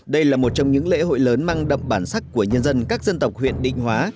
đây là một trong những lễ hội lớn mang đậm bản sắc của nhân dân các dân tộc huyện định hóa